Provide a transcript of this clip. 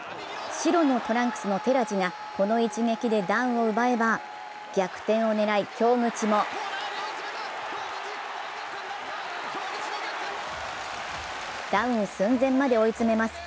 白のトランクスの寺地がこの一撃でダウンを奪えば、逆転を狙い、京口もダウン寸前まで追い詰めます。